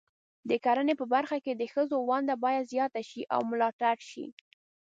د کرنې په برخه کې د ښځو ونډه باید زیاته شي او ملاتړ شي.